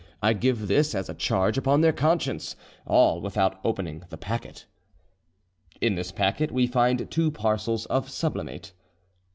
I give this as a charge upon their conscience; all without opening the packet.' In this packet we find two parcels of sublimate.